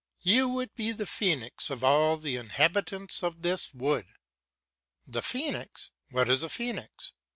("You would be the phoenix of all the inhabitants of this wood!") The phoenix! What is a phoenix?